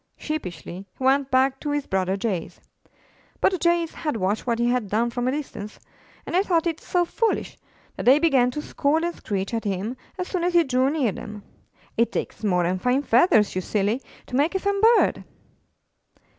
Sheepishly he went back to his brother Jays. But the Jays had watched what he had done i6o IN THE NURSERY from a distance and they thought it so foolish, that they began to scold and screech at him as soon as he drew near them; ''It takes more than fine feath ers, you silly, to make a fine bird!''